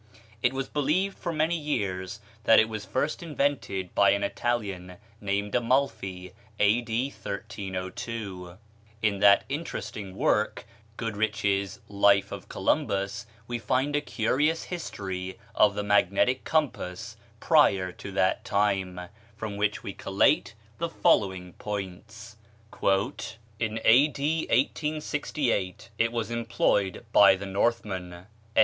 It was believed for many years that it was first invented by an Italian named Amalfi, A.D. 1302. In that interesting work, Goodrich's "Life of Columbus," we find a curious history of the magnetic compass prior to that time, from which we collate the following points: "In A.D. 868 it was employed by the Northmen."